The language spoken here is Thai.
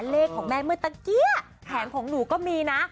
เลขของแม่เมื่อตะเกี้แผงของหนูก็มีนะ